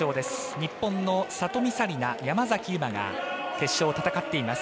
日本の里見紗李奈、山崎悠麻が決勝を戦っています。